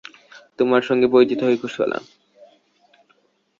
তোমার সঙ্গে পরিচিত হয়ে খুশি হলাম।